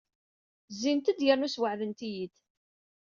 Zzint-d yernu sweɛdent-iyi-d.